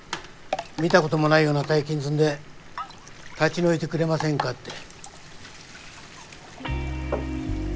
見たこともないような大金積んで立ち退いてくれませんかって。